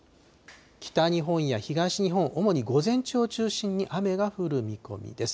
北日本や東日本、主に午前中を中心に雨が降る見込みです。